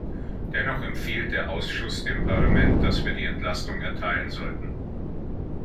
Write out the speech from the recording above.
Dennoch empfiehlt der Ausschuss dem Parlament, dass wir die Entlastung erteilen sollten.